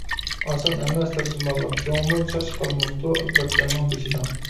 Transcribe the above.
ئاسان ئەمەس تەرجىمانلىق، شۇڭىمۇ چاچ قالماپتۇ ئابلەتجاننىڭ بېشىدا.